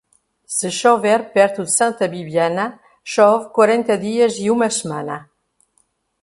Se chover perto de Santa Bibiana, chove quarenta dias e uma semana.